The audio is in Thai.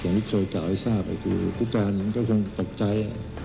อย่างที่เคยกล่าวให้ทราบก็คือผู้การก็คงตกใจ